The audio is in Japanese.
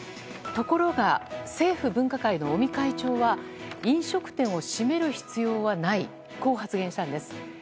ところが政府分科会の尾身会長は飲食店を閉める必要はないこう発言したんです。